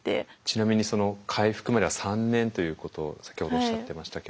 ちなみにその回復までは３年ということ先ほどおっしゃってましたけれども。